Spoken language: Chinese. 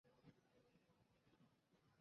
柯震东曾与萧亚轩和李毓芬交往。